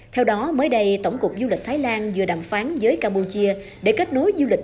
theo đó mới đây tổng cục du lịch thái lan vừa đàm phán với campuchia để kết nối du lịch